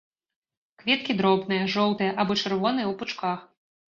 Кветкі дробныя, жоўтыя або чырвоныя ў пучках.